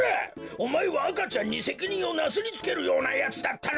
おまえはあかちゃんにせきにんをなすりつけるようなやつだったのか！